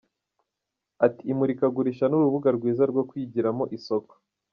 Ati “Imurikagurisha ni urubuga rwiza rwo kwigiramo isoko.